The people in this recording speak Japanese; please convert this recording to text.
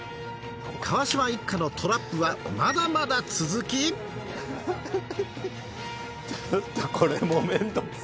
川島一家のトラップはまだまだ続きちょっとこれもう。